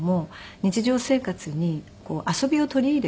日常生活に遊びを取り入れて。